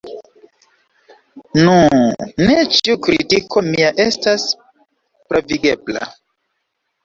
Nu, ne ĉiu kritiko mia estas pravigebla.